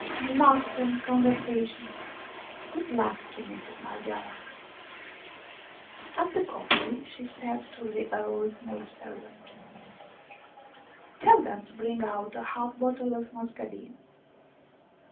And laughter and conversa tion ! Good luck to Mistress Marghioala ! After coffee she said to the old maidservant :" Tell them to bring out a half bottle of mus cadine."